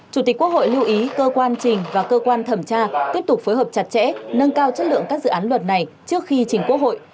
chủ tịch quốc hội lưu ý cơ quan trình và cơ quan thẩm tra tiếp tục phối hợp chặt chẽ nâng cao chất lượng các dự án luật này trước khi trình quốc hội